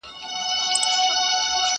o چي ډېرى سي، مردارى سي٫